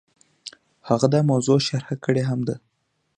هغه دا موضوع شرح کړې هم ده.